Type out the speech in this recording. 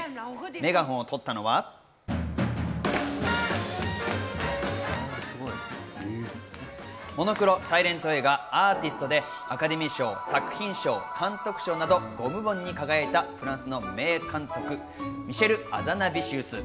メガホンを取ったのが、モノクロサイレント映画『アーティスト』でアカデミー賞作品賞、監督賞など５部門に輝いたフランスの名監督、ミシェル・アザナヴィシウス。